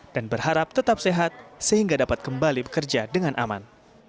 dan berharap tetap sehat sehingga dapat kembali bekerja dengan aman